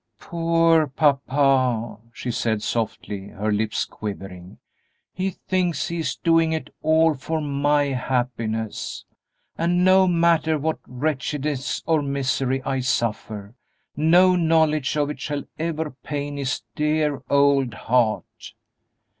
"Poor papa!" she said, softly, her lips quivering; "he thinks he is doing it all for my happiness, and no matter what wretchedness or misery I suffer, no knowledge of it shall ever pain his dear old heart!"